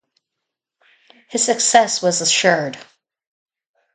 His success was assured.